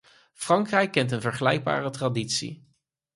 Frankrijk kent een vergelijkbare traditie.